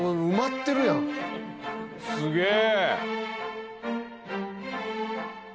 すげえ。